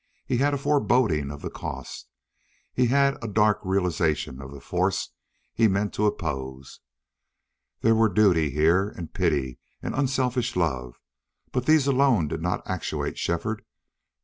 He had a foreboding of the cost; he had a dark realization of the force he meant to oppose. There were duty here and pity and unselfish love, but these alone did not actuate Shefford.